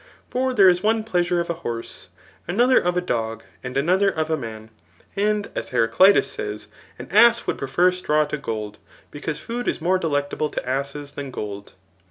For there is one jdeou sure of a horse, another of a dog, and another of a man ; and, as Heraclitus says, an ass would prefer straw to gold ; because food is more delectable to asses than gold.